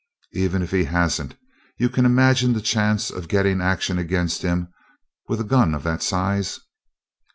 Even if he hasn't, you can imagine the chance of getting action against him with a gun of that size."